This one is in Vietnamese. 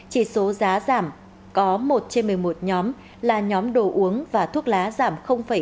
chỉ số giá giảm có một trên một mươi một nhóm là nhóm đồ uống và thuốc lá giảm ba mươi